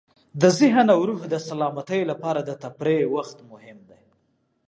د ذهن او روح د سلامتۍ لپاره د تفریح وخت مهم دی.